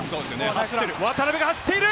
渡邉が走っている！